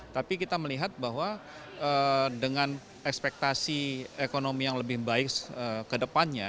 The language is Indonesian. tapi kita melihat bahwa dengan ekspektasi ekonomi yang lebih baik ke depannya